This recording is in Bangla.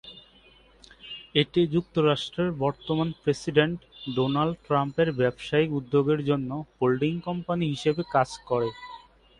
এটি যুক্তরাষ্ট্রের বর্তমান প্রেসিডেন্ট ডোনাল্ড ট্রাম্পের ব্যবসায়িক উদ্যোগের জন্য হোল্ডিং কোম্পানি হিসেবে কাজ করে।